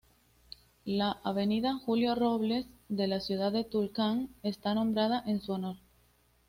La avenida Julio Robles de la ciudad de Tulcán está nombrada en su honor.